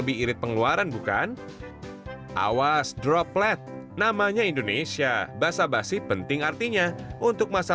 bi irit pengeluaran bukan awas droplet namanya indonesia basa basi penting artinya untuk masa